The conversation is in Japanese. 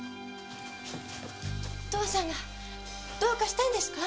父さんがどうかしたんですか？